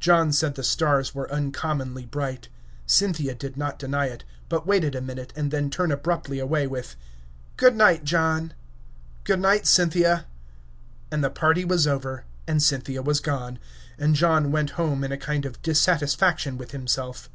John said the stars were uncommonly bright. Cynthia did not deny it, but waited a minute and then turned abruptly away, with "Good night, John!" "Good night, Cynthia!" And the party was over, and Cynthia was gone, and John went home in a kind of dissatisfaction with himself.